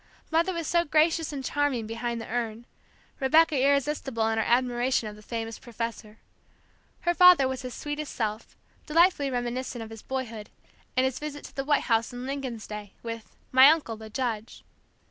Mother was so gracious and charming, behind the urn; Rebecca irresistible in her admiration of the famous professor. Her father was his sweetest self, delightfully reminiscent of his boyhood, and his visit to the White House in Lincoln's day, with "my uncle, the judge."